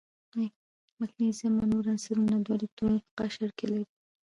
مګنیزیم او نور عنصرونه دوه الکترونه په قشر کې لري.